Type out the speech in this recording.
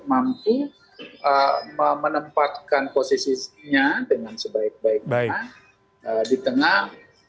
mampu menempatkan posisinya dengan sebaik baiknya di tengah